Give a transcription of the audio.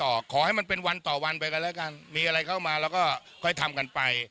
ขอให้มันเป็นวันต่อวันไปกันแล้วกันมีอะไรเข้ามาแล้วก็ค่อยทำกันไป